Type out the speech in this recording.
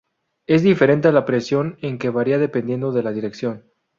Es diferente a la presión en que varía dependiendo de la dirección.